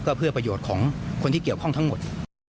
เพื่อประโยชน์ของคนที่เกี่ยวข้องทั้งหมด